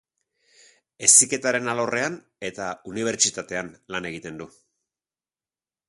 Heziketaren alorrean eta unibertsitatean lan egiten du.